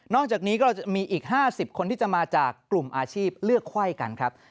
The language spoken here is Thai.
จากนี้ก็จะมีอีก๕๐คนที่จะมาจากกลุ่มอาชีพเลือกไข้กันครับ